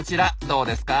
どうですか？